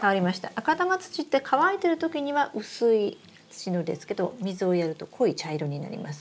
赤玉土って乾いてるときには薄い土の色ですけど水をやると濃い茶色になります。